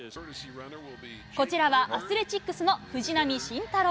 こちらはアスレチックスの藤浪晋太郎。